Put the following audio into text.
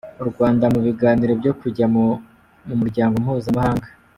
Urwanda mu biganiro byo kujya mumu ryango mpuza mahanga